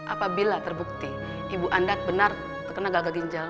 apabila terbukti ibu anda benar terkena gagal ginjal